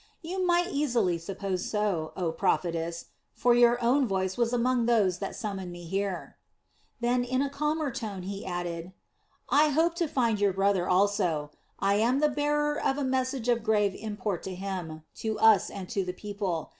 "You might easily suppose so, oh Prophetess; for your own voice was among those that summoned me here." Then in a calmer tone, he added: "I hoped to find your brother also; I am the bearer of a message of grave import to him, to us, and to the people.